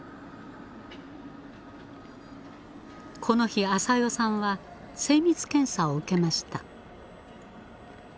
この日あさよさんは精密検査を受けました。